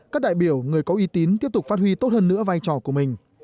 các đại biểu người có uy tín tiếp tục phát huy tốt hơn nữa vai trò của mình